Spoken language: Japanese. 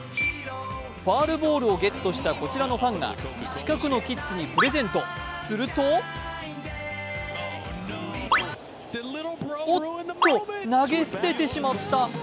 ファウルボールをゲットしたこちらのファンが近くのキッズにプレゼント、するとおっと、投げ捨ててしまった。